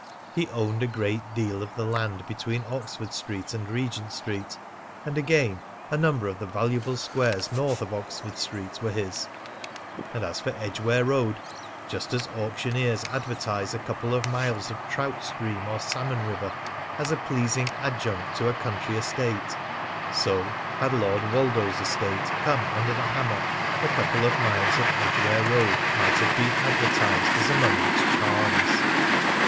He owned a great deal of the land between Oxford Street and Regent Street, and again a number of the valuable squares north of Oxford Street were his, and as for Edgware Road just as auctioneers advertise a couple of miles of trout stream or salmon river as a pleasing adjunct to a country estate, so, had Lord Woldo's estate come under the hammer, a couple of miles of Edgware Road might have been advertised as among its charms.